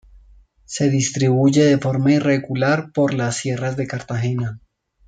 Se distribuye de forma irregular por las Sierras de Cartagena.